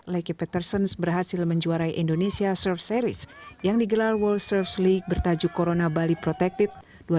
leckie petersens berhasil menjuarai indonesia surf series yang digelar world surf league bertajuk corona bali protected dua ribu delapan belas